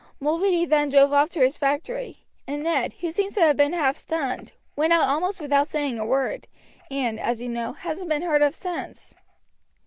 Mulready then drove off to his factory, and Ned, who seems to have been half stunned, went out almost without saying a word, and, as you know, hasn't been heard of since.